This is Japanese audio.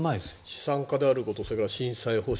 資産家であることそれから震災補償